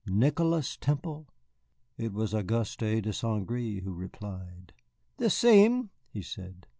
"Nicholas Temple?" It was Auguste de St. Gré who replied. "The sem," he said.